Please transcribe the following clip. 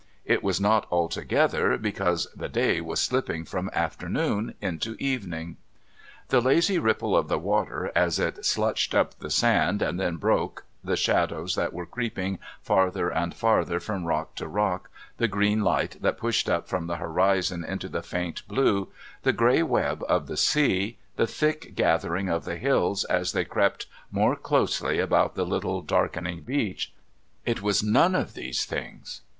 It was not altogether because the day was slipping from afternoon into evening. The lazy ripple of the water as it slutched up the sand and then broke, the shadows that were creeping farther and farther from rock to rock, the green light that pushed up from the horizon into the faint blue, the grey web of the sea, the thick gathering of the hills as they crept more closely about the little darkening beach... it was none of these things.